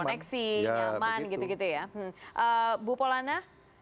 terkoneksi nyaman gitu gitu ya